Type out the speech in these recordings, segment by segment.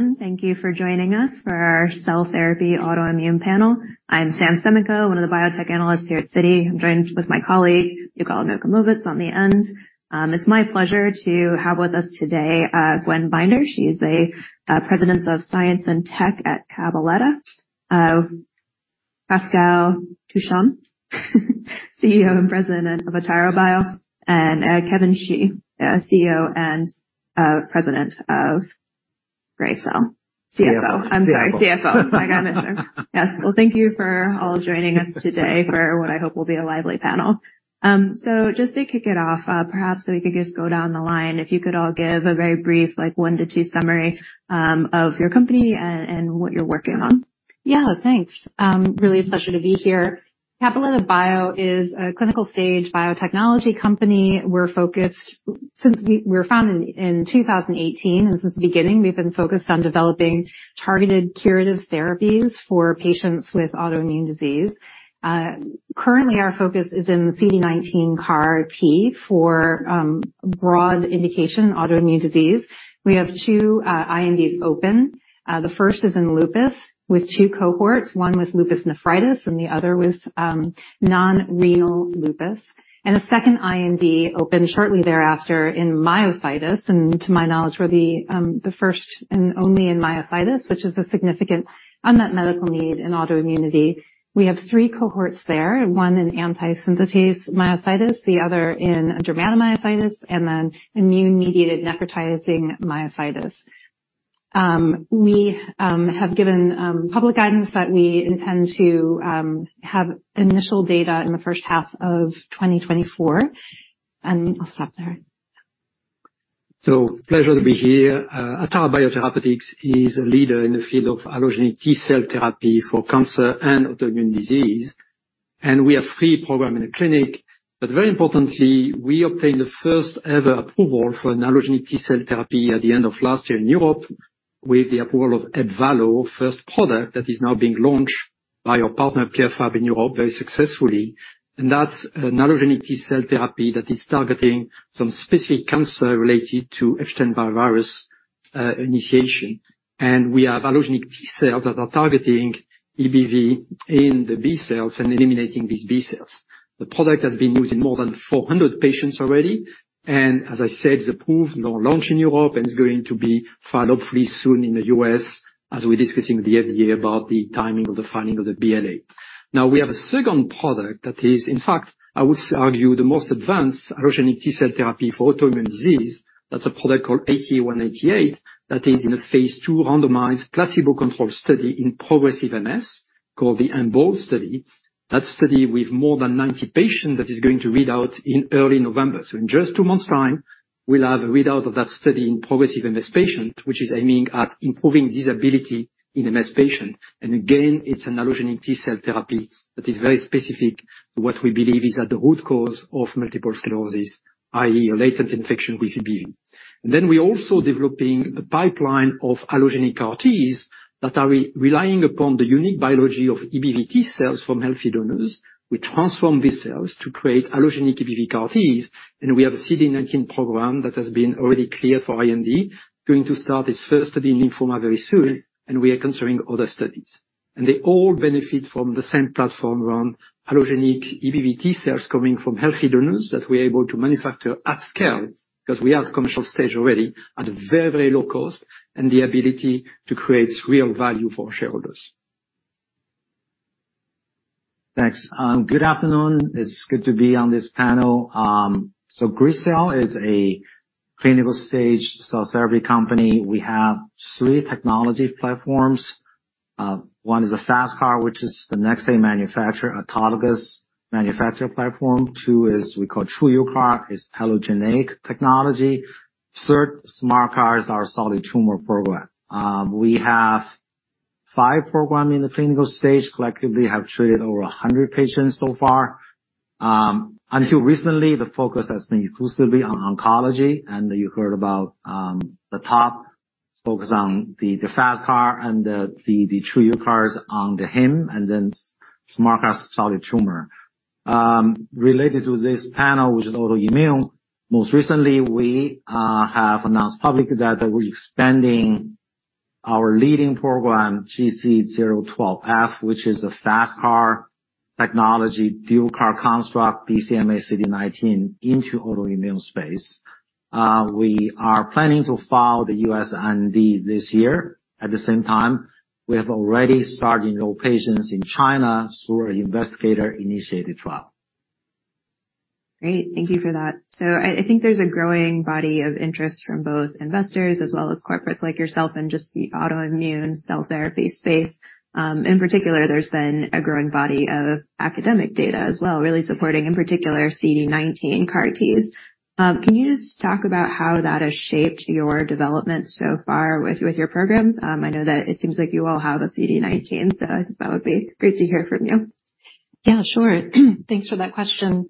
Hello, everyone. Thank you for joining us for our Cell Therapy Autoimmune Panel. I'm Sam Semenkow, one of the biotech analysts here at Citi. I'm joined with my colleague, Yigal Nochomovitz, on the end. It's my pleasure to have with us today, Gwen Binder. She's President of Science and Tech at Cabaletta Bio, Pascal Touchon, CEO and President of Atara Biotherapeutics, and, Kevin Xie, CEO and President of Gracell. CFO. CFO. I'm sorry, CFO. I got mixed up. Yes. Well, thank you for all joining us today for what I hope will be a lively panel. So just to kick it off, perhaps we could just go down the line. If you could all give a very brief, like, one to two summary of your company and what you're working on. Yeah, thanks. Really a pleasure to be here. Cabaletta Bio is a clinical-stage biotechnology company. We're focused. Since we were founded in 2018, and since the beginning, we've been focused on developing targeted curative therapies for patients with autoimmune disease. Currently, our focus is in the CD19 CAR-T for broad indication autoimmune disease. We have two INDs open. The first is in lupus, with two cohorts, one with lupus nephritis and the other with non-renal lupus, and a second IND opened shortly thereafter in myositis, and to my knowledge, we're the first and only in myositis, which is a significant unmet medical need in autoimmunity. We have three cohorts there, one in antisynthetase myositis, the other in dermatomyositis, and then immune-mediated necrotizing myositis. We have given public guidance that we inftend to have initial data in the first half of 2024, and I'll stop there. So pleasure to be here. Atara Biotherapeutics is a leader in the field of allogeneic T-cell therapy for cancer and autoimmune disease, and we have three program in the clinic. But very importantly, we obtained the first-ever approval for an allogeneic T-cell therapy at the end of last year in Europe, with the approval of Ebvallo, first product that is now being launched by our partner, Pierre Fabre, in Europe very successfully. And that's an allogeneic T-cell therapy that is targeting some specific cancer related to Epstein-Barr virus, initiation. And we have allogeneic T-cells that are targeting EBV in the B-cells and eliminating these B-cells. The product has been used in more than 400 patients already, and as I said, it's approved, now launch in Europe, and it's going to be filed hopefully soon in the U.S., as we're discussing with the FDA about the timing of the filing of the BLA. Now, we have a second product that is, in fact, I would argue, the most advanced allogeneic T-cell therapy for autoimmune disease. That's a product called ATA188, that is in a phase II randomized, placebo-controlled study in progressive MS, called the EMBOLD study. That study with more than 90 patients, that is going to read out in early November. So in just two months time, we'll have a readout of that study in progressive MS patient, which is aiming at improving disability in MS patient. Again, it's an allogeneic T-cell therapy that is very specific to what we believe is at the root cause of multiple sclerosis, i.e., a latent infection with EBV. Then we're also developing a pipeline of allogeneic CAR-Ts that are relying upon the unique biology of EBV T-cells from healthy donors. We transform these cells to create allogeneic EBV CAR-Ts, and we have a CD19 program that has been already cleared for IND, going to start its first study in lymphoma very soon, and we are considering other studies. They all benefit from the same platform around allogeneic EBV T-cells coming from healthy donors that we are able to manufacture at scale, because we are at commercial stage already, at a very, very low cost, and the ability to create real value for shareholders. Thanks. Good afternoon. It's good to be on this panel. So Gracell is a clinical stage cell therapy company. We have three technology platforms. One is a FasTCAR, which is the next day manufacturer, autologous manufacturer platform. Two is we call TruUCAR, is allogeneic technology. Third, SMART CAR-T is our solid tumor program. We have five program in the clinical stage, collectively have t]reated over 100 patients so far. Until recently, the focus has been exclusively on oncology, and you heard about the top focus on the FasTCAR and the TruUCARs on the hem, and then SMART CAR-T solid tumor. Related to this panel, which is autoimmune, most recently, we have announced publicly that we're expanding our leading program, GC012F, which is a FasTCAR technology, dual CAR construct, BCMA CD19 into autoimmune space. We are planning to file the U.S. IND this year. At the same time, we have already started to enroll patients in China through our investigator-initiated trial. Great. Thank you for that. So I, I think there's a growing body of interest from both investors as well as corporates like yourself, and just the autoimmune cell therapy space. In particular, there's been a growing body of academic data as well, really supporting, in particular, CD19 CAR-Ts. Can you just talk about how that has shaped your development so far with, with your programs? I know that it seems like you all have a CD19, so I think that would be great to hear from you. Yeah, sure. Thanks for that question.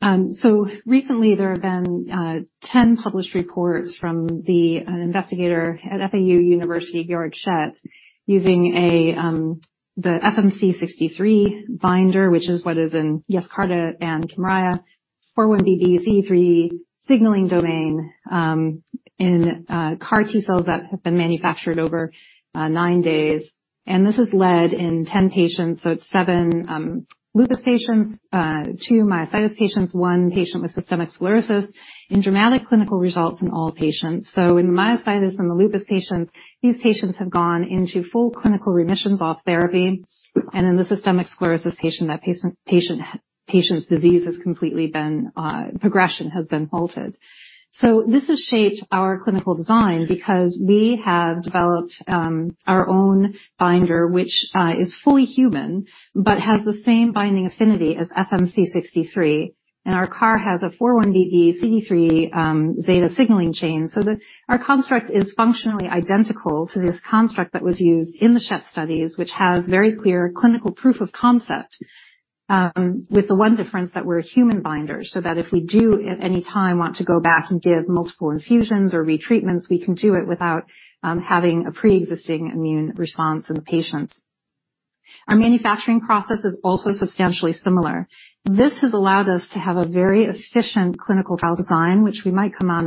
So recently there have been 10 published reports from the investigator at FAU University, Georg Schett, using the FMC63 binder, which is what is in Yescarta and Kymriah, 4-1BB CD3 signaling domain, in CAR-T-cells that have been manufactured over nine days, and this has led in 10 patients. So it's seven lupus patients, two myositis patients, one patient with systemic sclerosis, and dramatic clinical results in all patients. So in myositis and the lupus patients, these patients have gone into full clinical remissions off therapy, and in the systemic sclerosis patient, that patient's disease progression has completely been halted. So this has shaped our clinical design because we have developed our own binder, which is fully human, but has the same binding affinity as FMC63, and our CAR has a 4-1BB CD3 zeta signaling chain. Our construct is functionally identical to this construct that was used in the Schett studies, which have very clear clinical proof of concept, with the one difference that we're a human binder, so that if we do, at any time, want to go back and give multiple infusions or retreatments, we can do it without having a preexisting immune response in the patients. Our manufacturing process is also substantially similar. This has allowed us to have a very efficient clinical trial design, which we might come on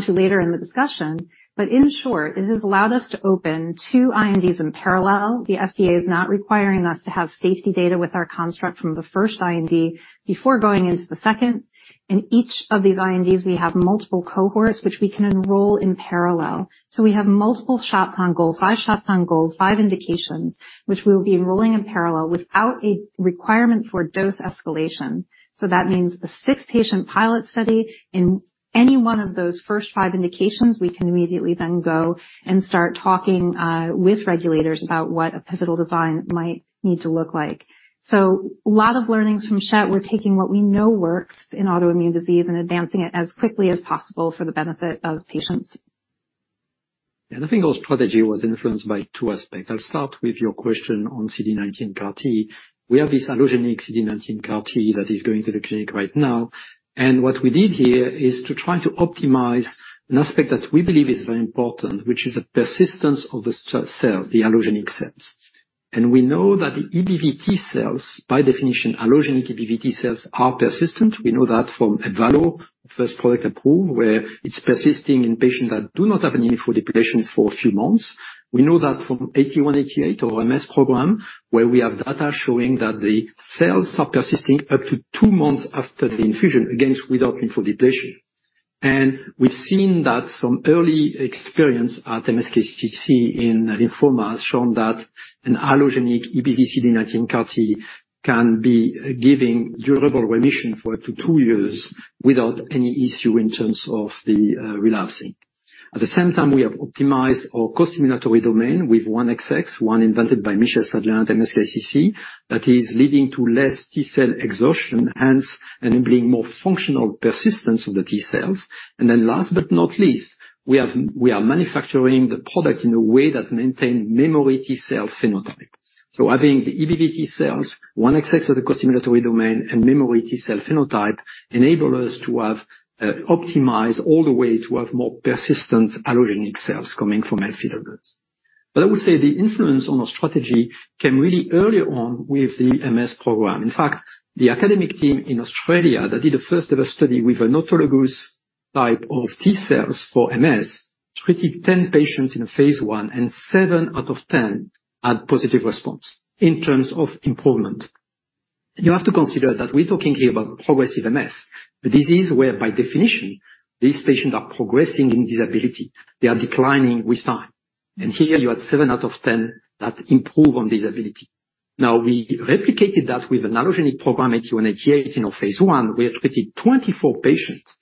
to later in the discussion. But in short, it has allowed us to open two INDs in parallel. The FDA is not requiring us to have safety data with our construct from the first IND before going into the second. In each of these INDs, we have multiple cohorts which we can enroll in parallel. So we have multiple shots on goal, five shots on goal, five indications, which we will be enrolling in parallel without a requirement for dose escalation. So that means a six-patient pilot study in any one of those first five indications, we can immediately then go and start talking with regulators about what a pivotal design might need to look like. So a lot of learnings from Schett. We're taking what we know works in autoimmune disease and advancing it as quickly as possible for the benefit of patients. I think our strategy was influenced by two aspects. I'll start with your question on CD19 CAR-T. We have this allogeneic CD19 CAR-T that is going to the clinic right now, and what we did here is to try to optimize an aspect that we believe is very important, which is the persistence of the cell, the allogeneic cells. We know that the EBV-T-cells, by definition, allogeneic EBV-T-cells are persistent. We know that from Ebvallo, first product approved, where it's persisting in patients that do not have an immunodepletion for a few months. We know that from ATA188, or MS program, where we have data showing that the cells are persisting up to 2 months after the infusion, again, without immunodepletion. We've seen that some early experience at MSKCC in lymphoma has shown that an allogeneic EBV CD19 CAR-T can be giving durable remission for up to two years without any issue in terms of the relapsing. At the same time, we have optimized our costimulatory domain with 1XX, one invented by Michel Sadelain at MSKCC, that is leading to less T-cell exhaustion, hence enabling more functional persistence of the T-cells. Last but not least, we are manufacturing the product in a way that maintains memory T-cell phenotype. Having the EBV-T-cells, 1XX as the costimulatory domain, and memory T-cell phenotype enable us to optimize all the way to have more persistent allogeneic cells coming from alpha goods. I would say the influence on our strategy came really early on with the MS program. In fact, the academic team in Australia that did the first-ever study with an autologous type of T-cells for MS, treated 10 patients in a phase I, and seven out of 10 had positive response in terms of improvement. You have to consider that we're talking here about progressive MS. A disease where, by definition, these patients are progressing in disability. They are declining with time. Here you have seven out of 10 that improve on disability. Now, we replicated that with an allogeneic program, ATA188, in our phase I. We have treated 24 patients,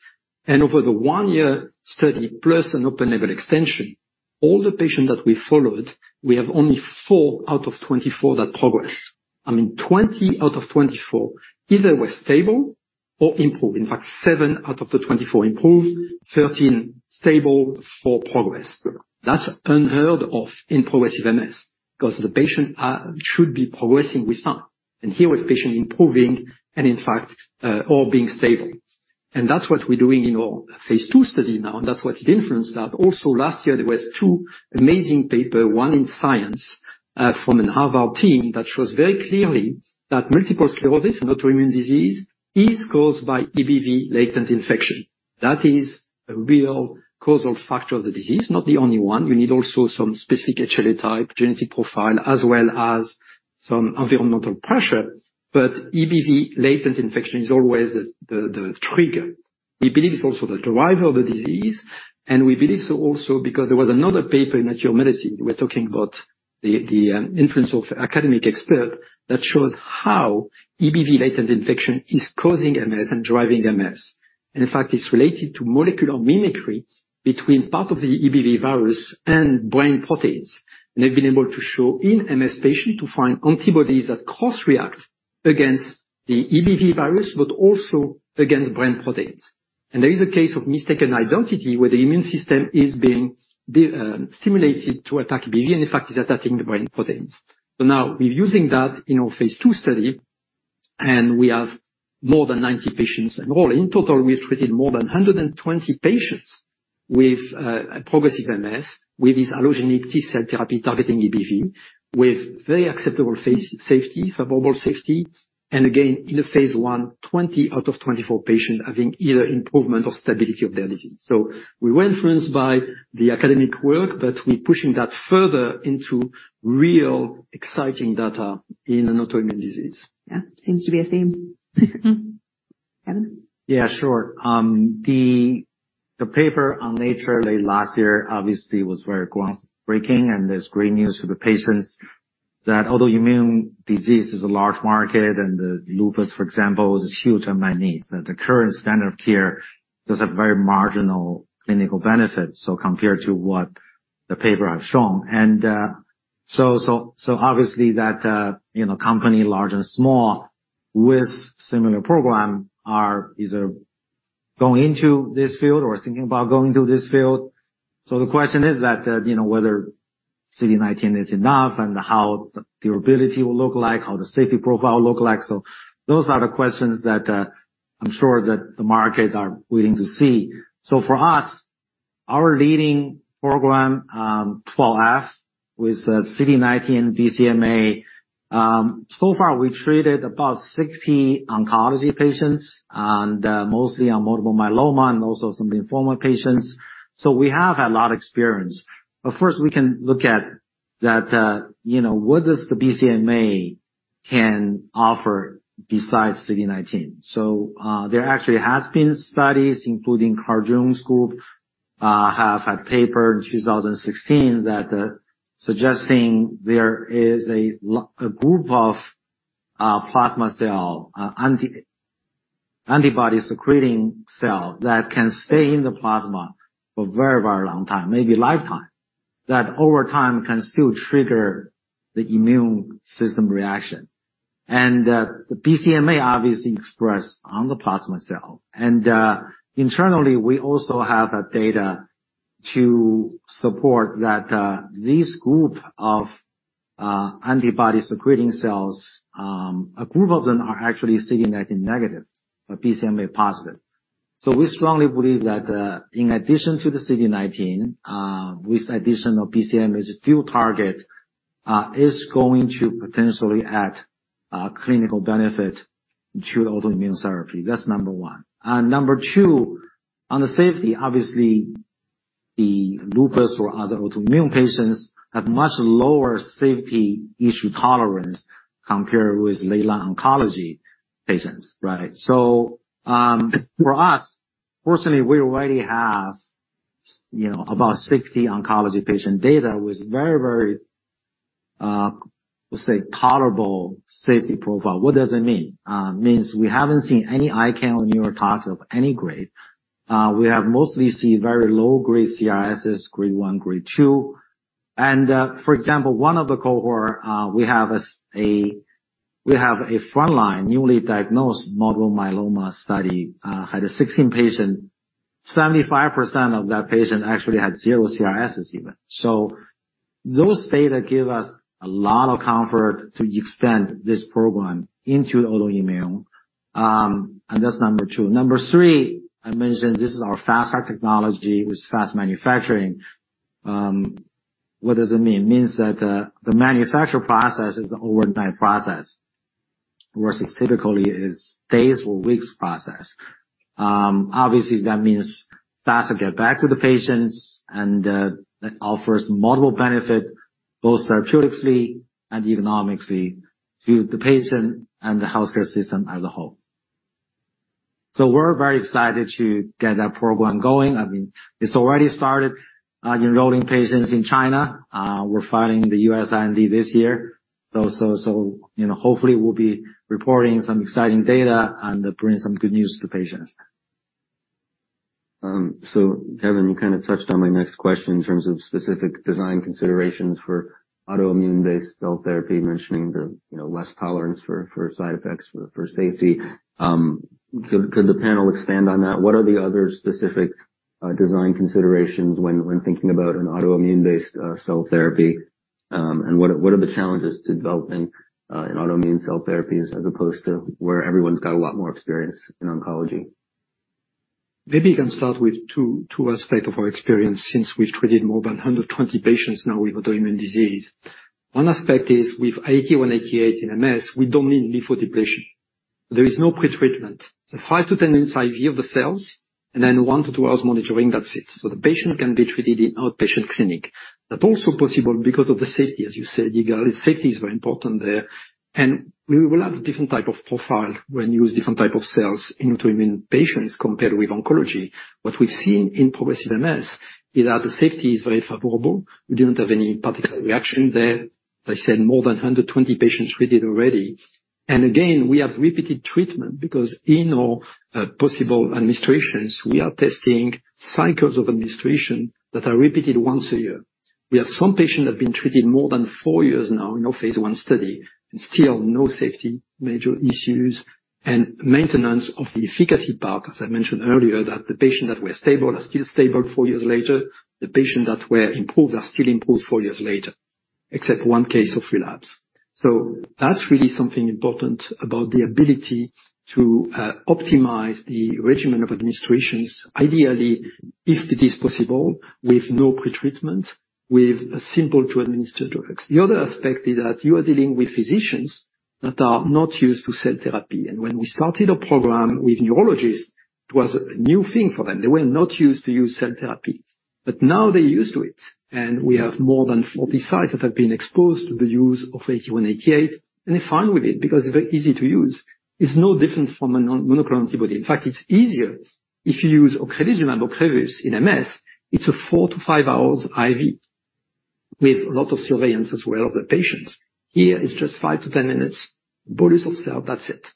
and over the one-year study, plus an open label extension, all the patients that we followed, we have only four out of 24 that progressed. I mean, 20 out of 24 either were stable or improved. In fact, seven out of the 24 improved, 13 stable, four progressed. That's unheard of in progressive MS, because the patient should be progressing with time, and here we have patients improving and in fact, all being stable. That's what we're doing in our phase II study now, and that's what it influenced that. Also last year, there was two amazing papers, one in Science, from a Harvard team, that shows very clearly that multiple sclerosis, an autoimmune disease, is caused by EBV latent infection. That is a real causal factor of the disease. Not the only one. You need also some specific HLA type, genetic profile, as well as some environmental pressure, but EBV latent infection is always the, the, the trigger. We believe it's also the driver of the disease, and we believe so also because there was another paper in Nature Medicine. We're talking about the influence of academic expert that shows how EBV latent infection is causing MS and driving MS. And in fact, it's related to molecular mimicry between part of the EBV virus and brain proteins. And they've been able to show in MS patient to find antibodies that cross-react against the EBV virus, but also against brain proteins. And there is a case of mistaken identity, where the immune system is being stimulated to attack EBV, and in fact, it's attacking the brain proteins. So now we're using that in our phase II study, and we have more than 90 patients enrolled. In total, we have treated more than 120 patients with a progressive MS, with this allogeneic T-cell therapy targeting EBV, with very acceptable phase safety, favorable safety, and again, in a phase I, 20 out of 24 patients having either improvement or stability of their disease. So we were influenced by the academic work, but we're pushing that further into real exciting data in an autoimmune disease. Yeah. Seems to be a theme. Kevin? Yeah, sure. The paper on Nature late last year obviously was very groundbreaking, and there's great news for the patients, that autoimmune disease is a large market, and the lupus, for example, is huge and immense, that the current standard of care does have very marginal clinical benefit, so compared to what the paper has shown. And so obviously that, you know, company, large and small, with similar program are either going into this field or thinking about going to this field. So the question is that, you know, whether CD19 is enough and how the durability will look like, how the safety profile will look like. So those are the questions that I'm sure that the market are waiting to see. So for us, our leading program, GC012F, with CD19 BCMA, so far we treated about 60 oncology patients, and mostly on multiple myeloma and also some lymphoma patients, so we have a lot of experience. But first we can look at that, you know, what does the BCMA can offer besides CD19? So, there actually has been studies, including Carl June's group, have had paper in 2016 that, suggesting there is a group of plasma cell antibody-secreting cell that can stay in the plasma for a very, very long time, maybe a lifetime, that over time can still trigger the immune system reaction. And, the BCMA obviously express on the plasma cell. Internally, we also have data to support that this group of antibody-secreting cells, a group of them are actually CD19 negative, but BCMA positive. So we strongly believe that in addition to the CD19, with additional BCMA is still target is going to potentially add clinical benefit to the autoimmune therapy. That's number one. Number two, on the safety, obviously, the lupus or other autoimmune patients have much lower safety issue tolerance compared with leukemia oncology patients, right? So for us, fortunately, we already have, you know, about 60 oncology patient data with very, very, let's say, tolerable safety profile. What does it mean? Means we haven't seen any ICAN neurotoxicity of any grade. We have mostly seen very low-grade CRSs, grade one, grade two. For example, one of the cohorts we have is a frontline, newly diagnosed multiple myeloma study that had a 16-patient cohort. 75% of those patients actually had zero CRS events. So those data give us a lot of comfort to extend this program into autoimmune. And that's number two. Number three, I mentioned, this is our FasTCAR Technology with fast manufacturing. What does it mean? It means that the manufacturing process is an overnight process, versus typically a days or weeks-long process. Obviously, that means faster to get back to the patients and that offers multiple benefits, both therapeutically and economically to the patient and the healthcare system as a whole. So we're very excited to get that program going. I mean, it's already started enrolling patients in China. We're filing the U.S. IND this year. So, you know, hopefully we'll be reporting some exciting data and bring some good news to patients. So Kevin, you kind of touched on my next question in terms of specific design considerations for autoimmune-based cell therapy, mentioning the, you know, less tolerance for side effects, for safety. Could the panel expand on that? What are the other specific design considerations when thinking about an autoimmune-based cell therapy? And what are the challenges to developing an autoimmune cell therapies as opposed to where everyone's got a lot more experience in oncology? Maybe you can start with two aspects of our experience since we've treated more than 120 patients now with autoimmune disease. One aspect is with ATA188 in MS, we don't need lymphodepletion. There is no pretreatment. So five to 10 inside view of the cells, and then one to two hours monitoring, that's it. So the patient can be treated in outpatient clinic. But also possible because of the safety, as you said, overall safety is very important there. And we will have a different type of profile when you use different type of cells in autoimmune patients compared with oncology. What we've seen in progressive MS is that the safety is very favorable. We didn't have any particular reaction there. As I said, more than 120 patients treated already. And again, we have repeated treatment because in our possible administrations, we are testing cycles of administration that are repeated once a year. We have some patients that have been treated more than four years now in our phase one study, and still no safety, major issues, and maintenance of the efficacy part, as I mentioned earlier, that the patients that were stable are still stable four years later. The patients that were improved are still improved four years later... except one case of relapse. So that's really something important about the ability to optimize the regimen of administrations, ideally, if it is possible, with no pretreatment, with a simple to administer drugs. The other aspect is that you are dealing with physicians that are not used to cell therapy, and when we started a program with neurologists, it was a new thing for them. They were not used to use cell therapy, but now they're used to it, and we have more than 40 sites that have been exposed to the use of 81, 88, and they're fine with it because they're easy to use. It's no different from a monoclonal antibody. In fact, it's easier if you use Ocrevus. Remember Ocrevus in MS, it's a four to five hours IV with a lot of surveillance as well of the patients. Here, it's just five to 10 minutes bolus of cell, that's it.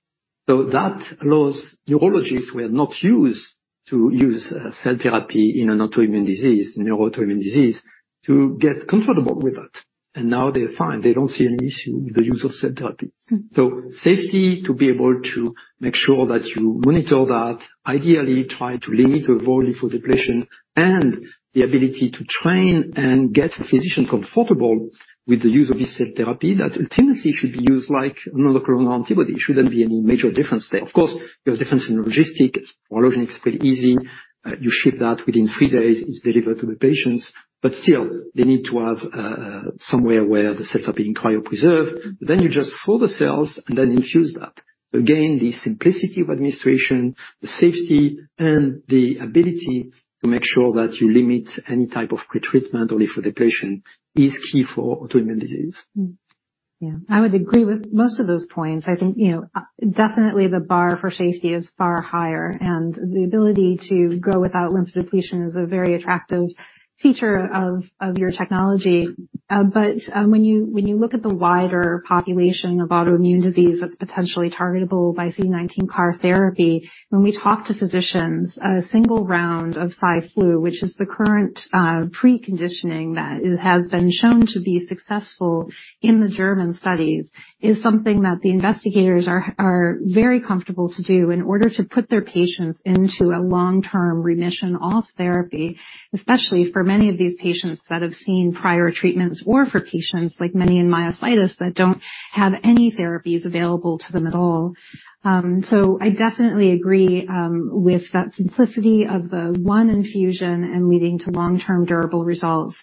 So that allows neurologists who are not used to use cell therapy in an autoimmune disease, neuroautoimmune disease, to get comfortable with it. And now they're fine. They don't see an issue with the use of cell therapy. So, safety, to be able to make sure that you monitor that, ideally try to limit your volume for depletion, and the ability to train and get the physician comfortable with the use of this cell therapy that ultimately should be used like monoclonal antibody. It shouldn't be any major difference there. Of course, there's a difference in logistics. Storage is pretty easy. You ship that within three days, it's delivered to the patients, but still they need to have somewhere where the cells are being cryopreserved. Then you just fill the cells and then infuse that. Again, the simplicity of administration, the safety, and the ability to make sure that you limit any type of pretreatment or depletion, is key for autoimmune disease. Mm-hmm. Yeah, I would agree with most of those points. I think, you know, definitely the bar for safety is far higher, and the ability to go without lymphodepletion is a very attractive feature of your technology. But, when you look at the wider population of autoimmune disease that's potentially targetable by CD19 CAR therapy, when we talk to physicians, a single round of Cy/Flu, which is the current preconditioning, that it has been shown to be successful in the German studies, is something that the investigators are very comfortable to do in order to put their patients into a long-term remission off therapy, especially for many of these patients that have seen prior treatments, or for patients, like many in myositis, that don't have any therapies available to them at all. So I definitely agree with that simplicity of the one infusion and leading to long-term durable results.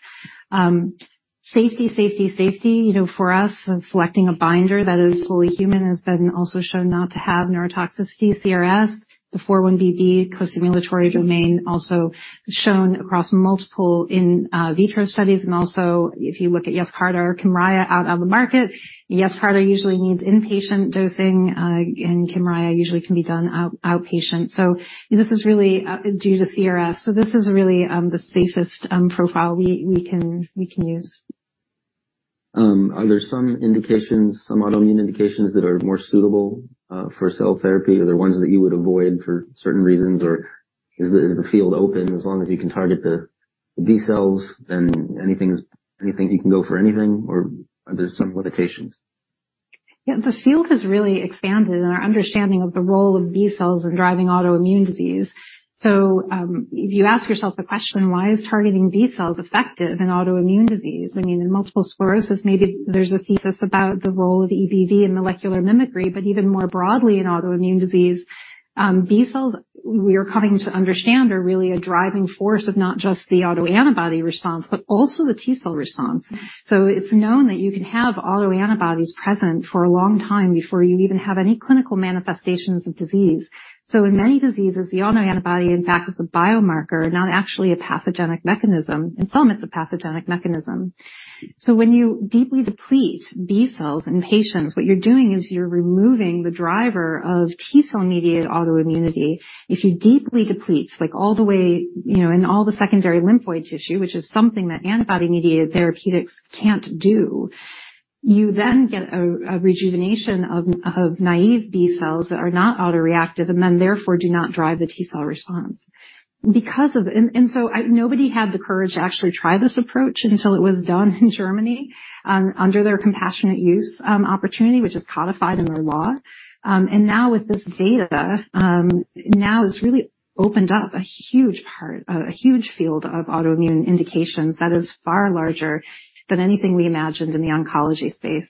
Safety, safety, safety, you know, for us, selecting a binder that is fully human has been also shown not to have neurotoxicity. CRS, the 4-1BB co-stimulatory domain, also shown across multiple in vitro studies. And also, if you look at Yescarta or Kymriah out on the market, Yescarta usually needs inpatient dosing, and Kymriah usually can be done outpatient. So this is really due to CRS. So this is really the safest profile we can use. Are there some indications, some autoimmune indications that are more suitable for cell therapy? Are there ones that you would avoid for certain reasons, or is the field open as long as you can target the B-cells, then anything is-Anything, you can go for anything, or are there some limitations? Yeah, the field has really expanded in our understanding of the role of B-cells in driving autoimmune disease. So, if you ask yourself the question, why is targeting B-cells effective in autoimmune disease? I mean, in multiple sclerosis, maybe there's a thesis about the role of EBV and molecular mimicry, but even more broadly, in autoimmune disease, B-cells, we are coming to understand, are really a driving force of not just the autoantibody response, but also the T-cell response. So it's known that you can have autoantibodies present for a long time before you even have any clinical manifestations of disease. So in many diseases, the autoantibody, in fact, is a biomarker, not actually a pathogenic mechanism. In some, it's a pathogenic mechanism. So when you deeply deplete B-cells in patients, what you're doing is you're removing the driver of T-cell-mediated autoimmunity. If you deeply deplete, like all the way, you know, in all the secondary lymphoid tissue, which is something that antibody-mediated therapeutics can't do, you then get a rejuvenation of naive B-cells that are not autoreactive and then, therefore, do not drive the T-cell response. And so nobody had the courage to actually try this approach until it was done in Germany, under their compassionate use opportunity, which is codified in their law. And now with this data, now it's really opened up a huge part, a huge field of autoimmune indications that is far larger than anything we imagined in the oncology space.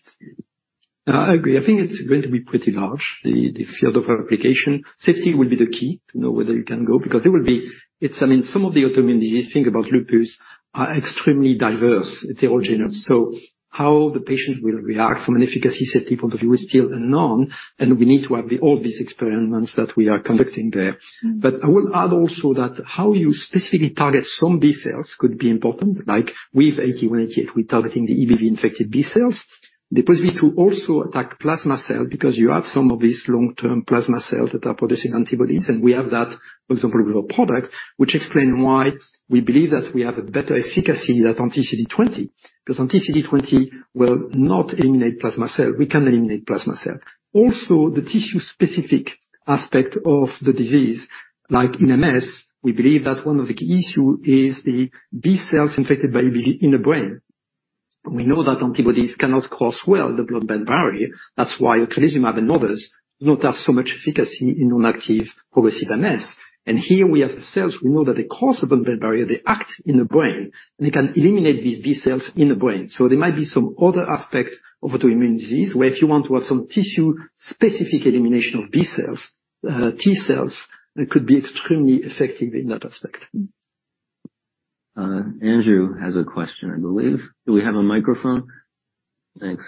I agree. I think it's going to be pretty large, the field of application. Safety will be the key to know whether you can go, because there will be-It's, I mean, some of the autoimmune disease, think about lupus, are extremely diverse, the whole genome. So how the patient will react from an efficacy safety point of view is still unknown, and we need to have all these experiments that we are conducting there. But I will add also that how you specifically target some B-cells could be important. Like with ATA188, we're targeting the EBV-infected B-cells. The possibility to also attack plasma cell, because you have some of these long-term plasma cells that are producing antibodies, and we have that, for example, with a product, which explain why we believe that we have a better efficacy than anti-CD20. Because anti-CD20 will not eliminate plasma cell. We can eliminate plasma cell. Also, the tissue specific aspect of the disease, like in MS, we believe that one of the key issue is the B-cells infected by EBV in the brain. ]We know that antibodies cannot cross well the blood-brain barrier. That's why ocrelizumab and others do not have so much efficacy in non-active progressive MS. And here we have the cells. We know that they cross the blood-brain barrier, they act in the brain, and they can eliminate these B-cells in the brain. So there might be some other aspect of autoimmune disease, where if you want to have some tissue-specific elimination of B-cells, T-cells, it could be extremely effective in that aspect. Andrew has a question, I believe. Do we have a microphone? Thanks.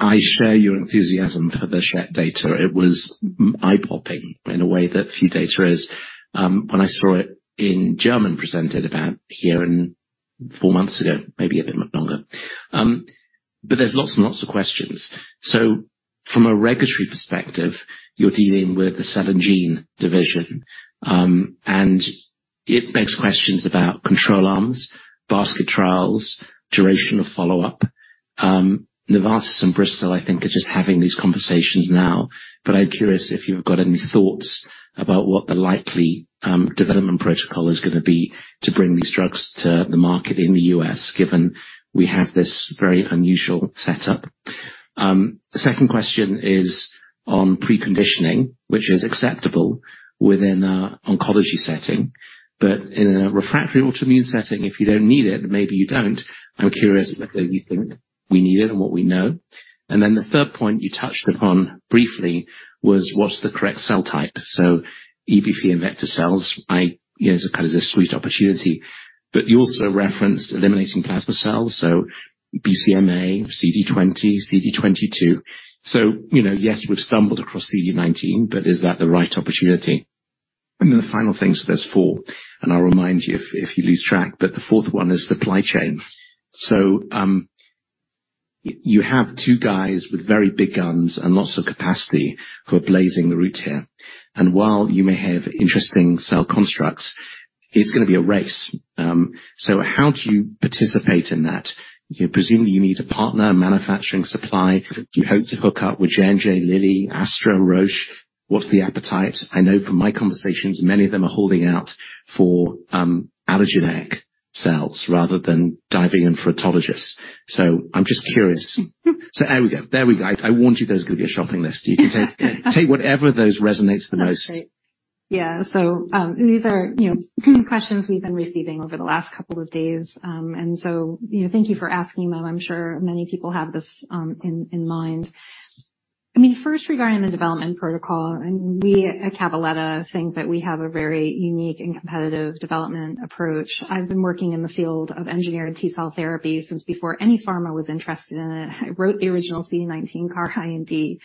I share your enthusiasm for the Schett data. It was eye-popping in a way that few data is. When I saw it in Germany, presented about four months ago, maybe a bit longer. But there's lots and lots of questions. So from a regulatory perspective, you're dealing with the Cell And Gene division, and it begs questions about control arms, basket trials, duration of follow-up. Novartis and Bristol, I think, are just having these conversations now. But I'm curious if you've got any thoughts about what the likely development protocol is gonna be to bring these drugs to the market in the U.S., given we have this very unusual setup. The second question is on preconditioning, which is acceptable within an oncology setting, but in a refractory autoimmune setting, if you don't need it, maybe you don't. I'm curious whether you think we need it and what we know. And then the third point you touched upon briefly was, what's the correct cell type? So EBV and vector cells, you know, is kind of a sweet opportunity. But you also referenced eliminating plasma cells, so BCMA, CD20, CD22. So, you know, yes, we've stumbled across CD19, but is that the right opportunity? And then the final thing, so there's four, and I'll remind you if you lose track, but the fourth one is supply chain. So you have two guys with very big guns and lots of capacity who are blazing the route here. And while you may have interesting cell constructs, it's gonna be a race. So how do you participate in that? You presumably need a partner, a manufacturing supply. Do you hope to hook up with J&J, Lilly, Astra, Roche? What's the appetite? I know from my conversations, many of them are holding out for allogeneic cells rather than diving in for autologous. So I'm just curious. So there we go. There we go. I warned you those are gonna be a shopping list. You can take whatever of those resonates the most. That's great. Yeah. So, these are, you know, questions we've been receiving over the last couple of days. And so, you know, thank you for asking them. I'm sure many people have this, in mind. I mean, first, regarding the development protocol, and we at Cabaletta think that we have a very unique and competitive development approach. I've been working in the field of engineering T-cell therapy since before any pharma was interested in it. I wrote the original CD19 CAR IND,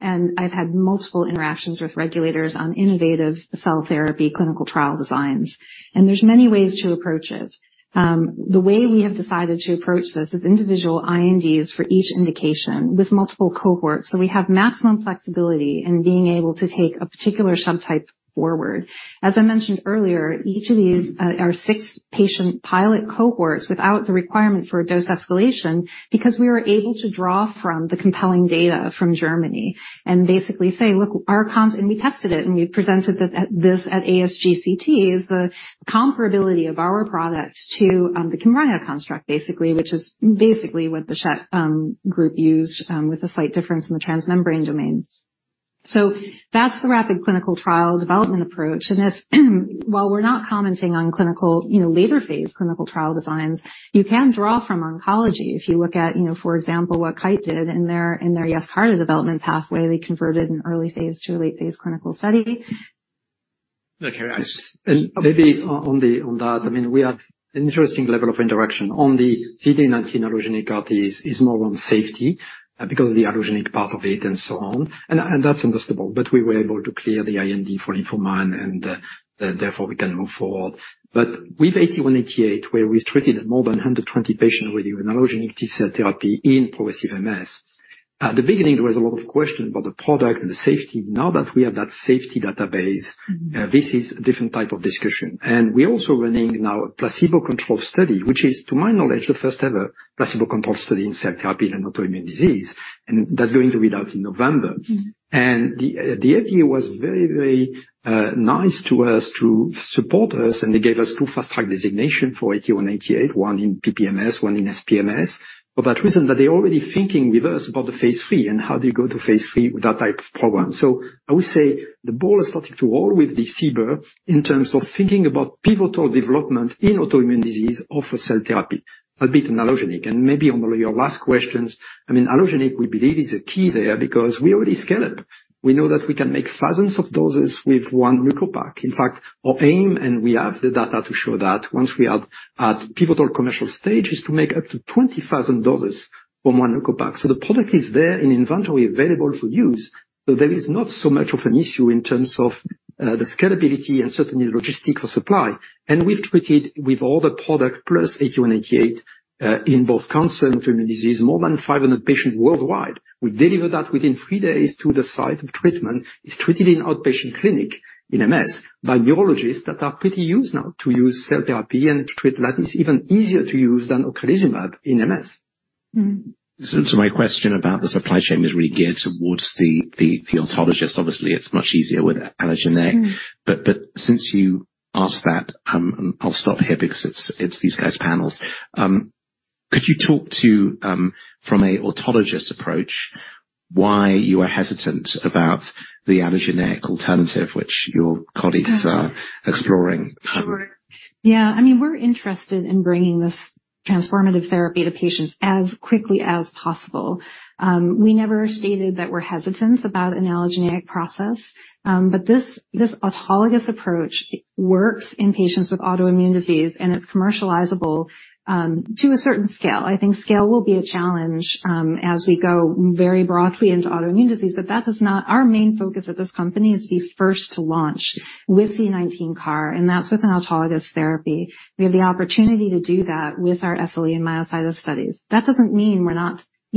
and I've had multiple interactions with regulators on innovative cell therapy, clinical trial designs, and there's many ways to approach this. The way we have decided to approach this is individual INDs for each indication with multiple cohorts, so we have maximum flexibility in being able to take a particular subtype forward. As I mentioned earlier, each of these are six-patient pilot cohorts without the requirement for a dose escalation, because we are able to draw from the compelling data from Germany and basically say, "Look, our com..." And we tested it, and we presented this at ASGCT, is the comparability of our product to the Kymriah construct, basically, which is basically what the Schett group used, with a slight difference in the transmembrane domain. That's the rapid clinical trial development approach, and if, well, we're not commenting on clinical, you know, later-phase clinical trial designs. You can draw from oncology. If you look at, you know, for example, what Kite did in their Yescarta development pathway, they converted an early phase to a late phase clinical study. Okay, I just-And maybe on that, I mean, we have an interesting level of interaction on the CD19 allogeneic CAR-T, which is more on safety because of the allogeneic part of it and so on. And that's understandable, but we were able to clear the IND for in lupus, and therefore, we can move forward. But with ATA188, where we've treated more than 120 patients with an allogeneic T-cell therapy in progressive MS, at the beginning, there was a lot of question about the product and the safety. Now that we have that safety database. This is a different type of discussion. We're also running now a placebo-controlled study, which is, to my knowledge, the first-ever placebo-controlled study in cell therapy in an autoimmune disease, and that's going to be out in November. Mm-hmm. The FDA was very, very, nice to us to support us, and they gave us two Fast Track designations for ATA188, one in PPMS, one in SPMS. For that reason, that they're already thinking with us about the phase III and how do you go to phase III with that type of program. So I would say the ball is starting to roll with the CBER in terms of thinking about pivotal development in autoimmune disease or for cell therapy, a bit in allogeneic. And maybe on your last questions, I mean, allogeneic, we believe, is the key there because we already scaled. We know that we can make thousands of doses with one leukopak. In fact, our aim, and we have the data to show that once we are at pivotal commercial stage, is to make up to 20,000 doses from one Leukopak. So the product is there in inventory, available for use, so there is not so much of an issue in terms of the scalability and certainly logistical supply. And we've treated with all the product plus ATA188 in both cancer and autoimmune disease, more than 500 patients worldwide. We deliver that within three days to the site of treatment. It's treated in outpatient clinic in MS by neurologists that are pretty used now to use cell therapy and to treat. That is even easier to use than ocrelizumab in MS. So, my question about the supply chain is really geared towards the autologous. Obviously, it's much easier with allogeneic. But since you asked that, I'll stop here because it's these guys' panels. Could you talk to, from a autologous approach, why you are hesitant about the allogeneic alternative which your colleagues are exploring? Sure. Yeah. I mean, we're interested in bringing this transformative therapy to patients as quickly as possible. We never stated that we're hesitant about an allogeneic process, but this autologous approach works in patients with autoimmune disease, and it's commercializable, to a certain scale. I think scale will be a challenge, as we go very broadly into autoimmune disease, but that is not our main focus at this company, is to be first to launch with the CD19 CAR, and that's with an autologous therapy. We have the opportunity to do that with our SLE and myositis studies. That doesn't mean we're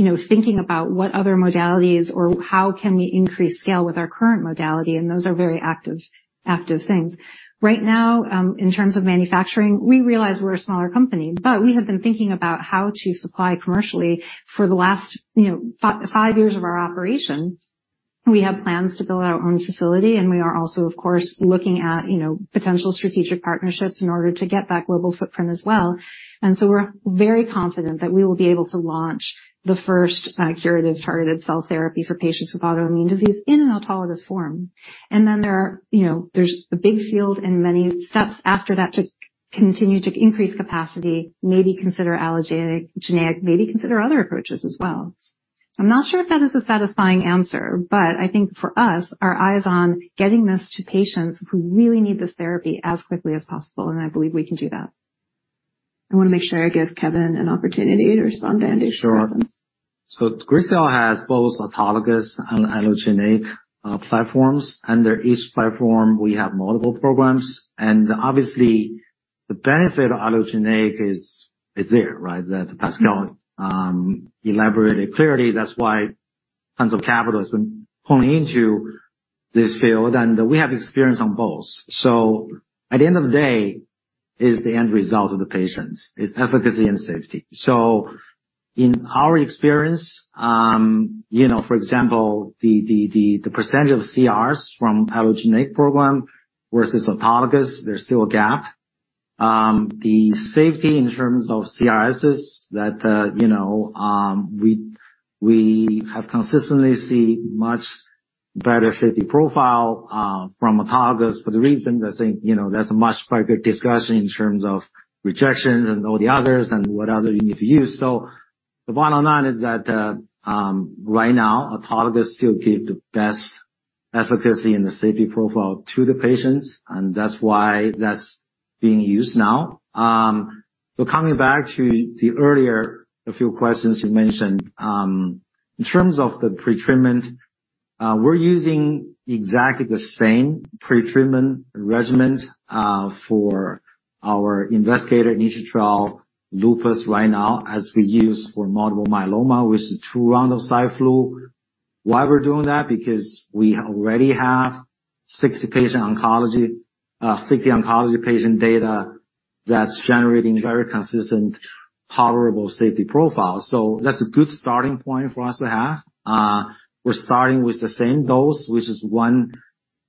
not, you know, thinking about what other modalities or how can we increase scale with our current modality, and those are very active, active things. Right now, in terms of manufacturing, we realize we're a smaller company, but we have been thinking about how to supply commercially for the last, you know, five years of our operations. We have plans to build our own facility, and we are also, of course, looking at, you know, potential strategic partnerships in order to get that global footprint as well. And so we're very confident that we will be able to launch the first, curative targeted cell therapy for patients with autoimmune disease in an autologous form. And then there are-You know, there's a big field and many steps after that to continue to increase capacity, maybe consider allogeneic, maybe consider other approaches as well. I'm not sure if that is a satisfying answer, but I think for us, our eye is on getting this to patients who really need this therapy as quickly as possible, and I believe we can do that. I want to make sure I give Kevin an opportunity to respond to anything. Sure. So Gracell has both autologous and allogeneic platforms. Under each platform, we have multiple programs, and obviously, the benefit of allogeneic is there, right? That Pascal elaborated clearly, that's why tons of capital has been pouring into this field, and we have experience on both. So at the end of the day, it's the end result of the patients, it's efficacy and safety. So in our experience, you know, for example, the percentage of CRs from allogeneic program versus autologous, there's still a gap. The safety in terms of CRS is that, you know, we have consistently seen much better safety profile from autologous for the reason I think, you know, that's a much bigger discussion in terms of rejections and all the others and what other you need to use. So the bottom line is that, right now, autologous still give the best efficacy and the safety profile to the patients, and that's why that's being used now. So coming back to the earlier few questions you mentioned. In terms of the pretreatment, we're using exactly the same pretreatment regimen for our investigator-initiated trial, lupus right now, as we use for multiple myeloma, which is two rounds of Cy/Flu. Why we're doing that? Because we already have 60 oncology patient data that's generating very consistent, tolerable safety profile. So that's a good starting point for us to have. We're starting with the same dose, which is one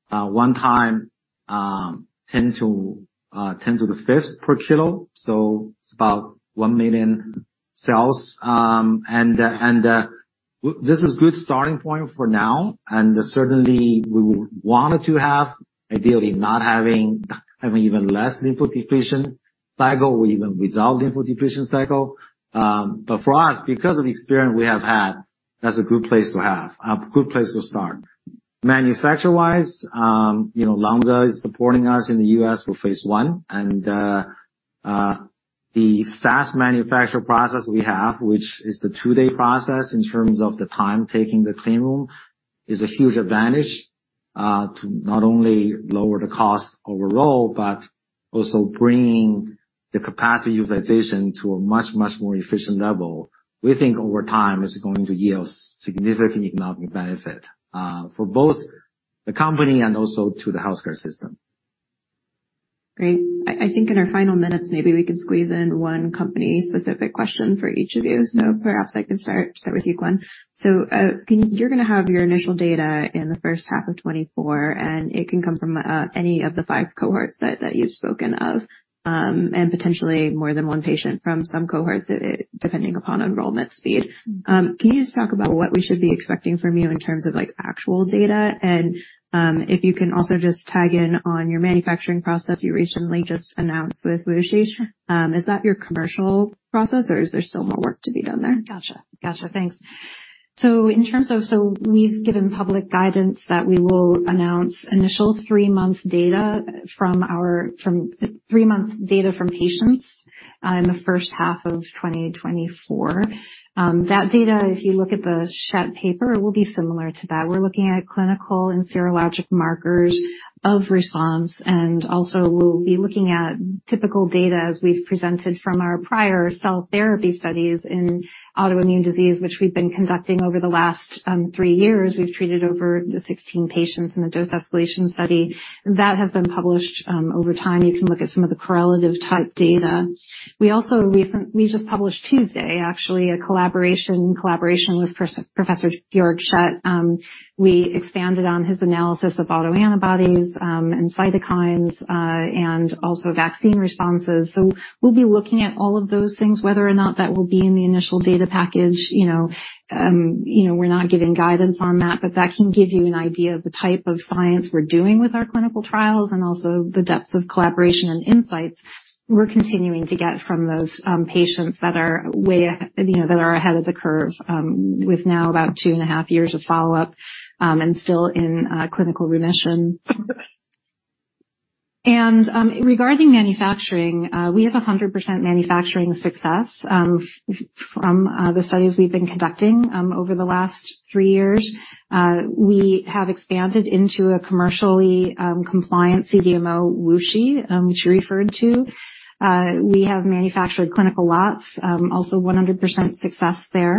times 10 to the fifth per kg, so it's about 1 million cells. This is a good starting point for now, and certainly, we would want to have ideally not having even less lymphodepletion cycle, or even resolve lymphodepletion cycle. But for us, because of the experience we have had, that's a good place to have, a good place to start. Manufacture-wise, you know, Lonza is supporting us in the U.S. for phase I, and the fast manufacture process we have, which is a two-day process in terms of the time taking the clean room, is a huge advantage to not only lower the cost overall, but also bringing the capacity utilization to a much, much more efficient level. We think over time, it's going to yield significant economic benefit for both the company and also to the healthcare system. Great. I think in our final minutes, maybe we can squeeze in one company-specific question for each of you. So perhaps I can start with you, Gwen. Can you-You're gonna have your initial data in the first half of 2024, and it can come from any of the five cohorts that you've spoken of, and potentially more than one patient from some cohorts, depending upon enrollment speed. Can you just talk about what we should be expecting from you in terms of like, actual data? And if you can also just tag in on your manufacturing process you recently just announced with WuXi. Is that your commercial process or is there still more work to be done there? Gotcha. Gotcha. Thanks. So we've given public guidance that we will announce initial three-month data from our three-month data from patients in the first half of 2024. That data, if you look at the Schett paper, will be similar to that. We're looking at clinical and serologic markers of response, and also we'll be looking at typical data as we've presented from our prior cell therapy studies in autoimmune disease, which we've been conducting over the last three years. We've treated over 16 patients in the dose escalation study. That has been published over time. You can look at some of the correlative type data. We also just published Tuesday, actually, a collaboration with Professor Georg Schett. We expanded on his analysis of autoantibodies and cytokines and also vaccine responses. So we'll be looking at all of those things, whether or not that will be in the initial data package. You know, you know, we're not giving guidance on that, but that can give you an idea of the type of science we're doing with our clinical trials, and also the depth of collaboration and insights we're continuing to get from those, patients that are way, you know, that are ahead of the curve, with now about 2.5 years of follow-up, and still in clinical remission. Regarding manufacturing, we have 100% manufacturing success, from the studies we've been conducting, over the last 3 years. We have expanded into a commercially compliant CDMO, WuXi, which you referred to. We have manufactured clinical lots, also 100% success there.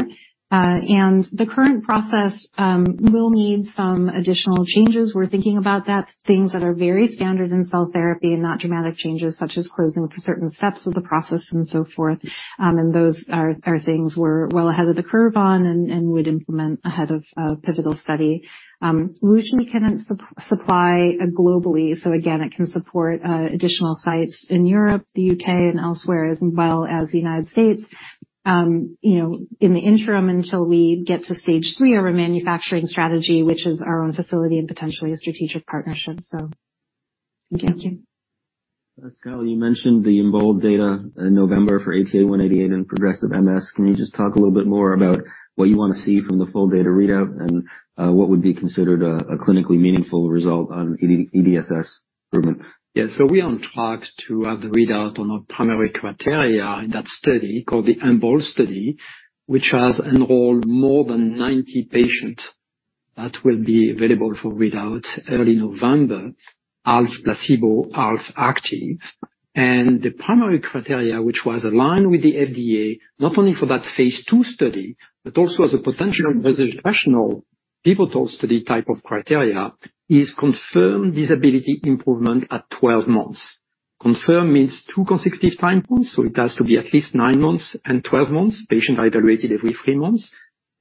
The current process will need some additional changes. We're thinking about that, things that are very standard in cell therapy and not dramatic changes, such as closing certain steps of the process and so forth. And those are things we're well ahead of the curve on and would implement ahead of a pivotal study. Wuxi can supply globally, so again, it can support additional sites in Europe, the U.K. and elsewhere, as well as the United States. You know, in the interim, until we get to Stage 3 of our manufacturing strategy, which is our own facility and potentially a strategic partnership. So thank you. Thank you. Pascal, you mentioned the EMBOLD data in November for ATA188 and progressive MS. Can you just talk a little bit more about what you want to see from the full data readout, and what would be considered a clinically meaningful result on EDSS improvement? Yeah. So we are on track to have the readout on our primary criteria in that study, called the EMBOLD study, which has enrolled more than 90 patients. That will be available for readout early November, half placebo, half active. And the primary criteria, which was aligned with the FDA, not only for that phase II study, but also as a potential rational pivotal study type of criteria, is confirmed disability improvement at 12 months. Confirmed means two consecutive time points, so it has to be at least nine months and 12 months. Patients are evaluated every three months.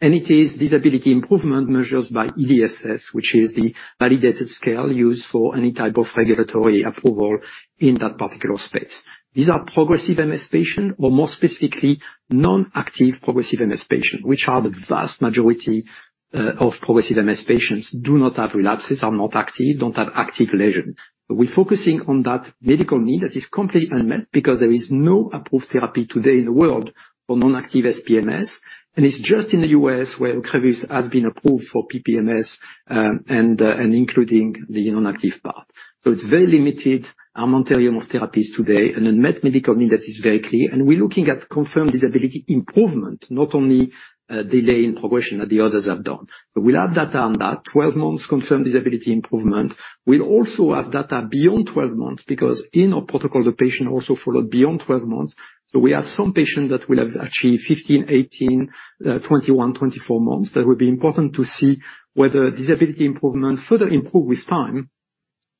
And it is disability improvement measures by EDSS, which is the validated scale used for any type of regulatory approval in that particular space. These are progressive MS patients, or more specifically, non-active progressive MS patients, which are the vast majority of progressive MS patients, do not have relapses, are not active, don't have active lesions. We're focusing on that medical need that is completely unmet because there is no approved therapy today in the world for non-active SPMS, and it's just in the U.S. where Ocrevus has been approved for PPMS, and, and including the non-active part. So it's very limited amount of therapies today, an unmet medical need that is very clear, and we're looking at confirmed disability improvement, not only delay in progression that the others have done. But we'll have data on that 12-month confirmed disability improvement. We'll also have data beyond 12 months, because in our protocol, the patient also followed beyond 12 months. So we have some patients that will have achieved 15, 18, 21, 24 months. That will be important to see whether disability improvement further improve with time,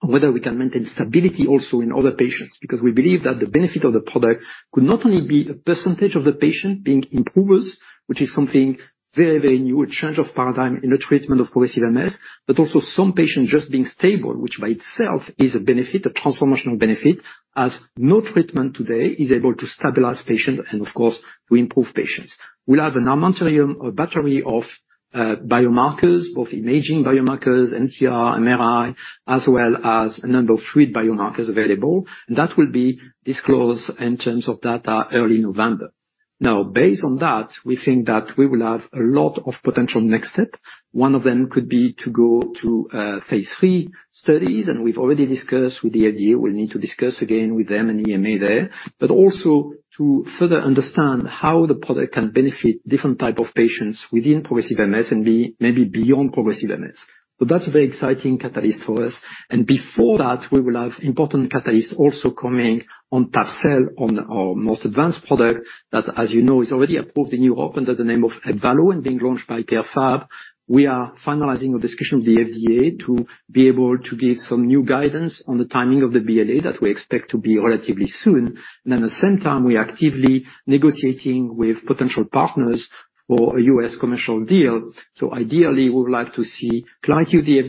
and whether we can maintain stability also in other patients. Because we believe that the benefit of the product could not only be a percentage of the patient being improvers, which is something very, very new, a change of paradigm in the treatment of progressive MS, but also some patients just being stable, which by itself is a benefit, a transformational benefit, as no treatment today is able to stabilize patients and, of course, to improve patients. We'll have a battery of biomarkers, both imaging biomarkers, MTR, MRI, as well as a number of fluid biomarkers available, and that will be disclosed in terms of data early November. Now, based on that, we think that we will have a lot of potential next step. One of them could be to go to phase III studies, and we've already discussed with the FDA. We need to discuss again with them and EMA there. But also to further understand how the product can benefit different type of patients within progressive MS and be maybe beyond progressive MS. So that's a very exciting catalyst for us. And before that, we will have important catalysts also coming on T-cell on our most advanced product, that, as you know, is already approved in Europe under the name of Ebvallo and being launched by Pierre Fabre. We are finalizing a discussion with the FDA to be able to give some new guidance on the timing of the BLA, that we expect to be relatively soon. At the same time, we're actively negotiating with potential partners for a U.S. commercial deal. So ideally, we would like to see clarity with the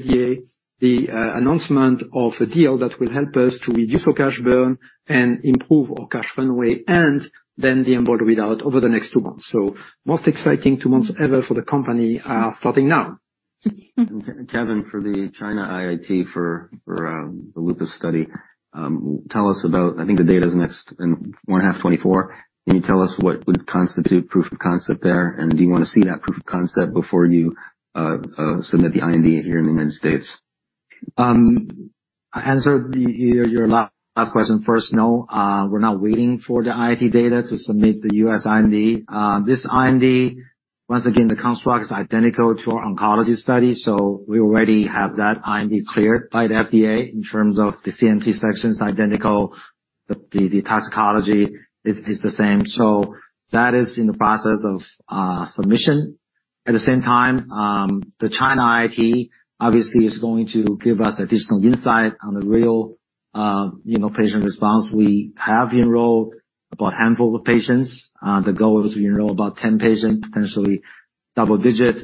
FDA, announcement of a deal that will help us to reduce our cash burn and improve our cash runway, and then the EMBOLD readout over the next two months. So most exciting two months ever for the company are starting now. Kevin, for the China IIT, for the lupus study, tell us about-I think the data is next in 1H 2024. Can you tell us what would constitute proof of concept there? And do you want to see that proof of concept before you submit the IND here in the United States? I answer your last question first. No, we're not waiting for the IT data to submit the U.S. IND. This IND, once again, the construct is identical to our oncology study, so we already have that IND cleared by the FDA in terms of the CMC sections, identical, the toxicology is the same. So that is in the process of submission. At the same time, the China IT obviously is going to give us additional insight on the real, you know, patient response. We have enrolled about a handful of patients. The goal is to enroll about 10 patients, potentially double digit.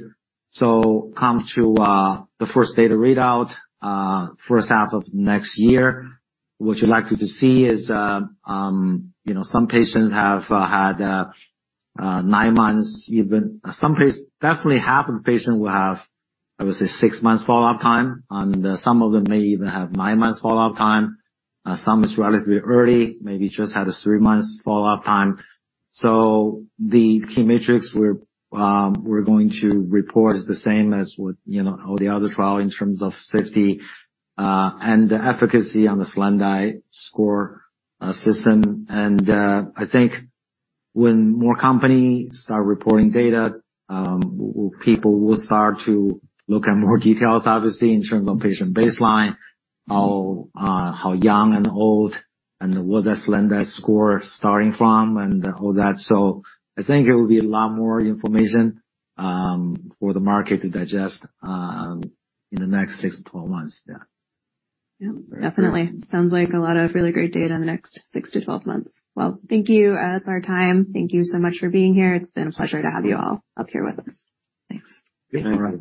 So come to the first data readout, first half of next year. What you'd like to see is, you know, some patients have had nine months, even some patients—definitely half of the patients will have, I would say, six months follow-up time, and some of them may even have nine months follow-up time. Some is relatively early, maybe just had a three months follow-up time. So the key metrics we're going to report is the same as with, you know, all the other trial in terms of safety, and the efficacy on the SLEDAI score system. I think when more companies start reporting data, people will start to look at more details, obviously, in terms of patient baseline, how young and old, and where the SLEDAI score starting from and all that. I think it will be a lot more information for the market to digest in the next six to 12 months. Yeah. Yeah, definitely. Sounds like a lot of really great data in the next six to 12 months. Well, thank you. That's our time. Thank you so much for being here. It's been a pleasure to have you all up here with us. Thanks. Thank you very much.